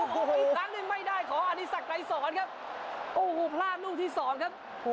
อีกครั้งหนึ่งไม่ได้ขออนิสักใดสอนครับโอ้โหพลาดลูกที่สอนครับ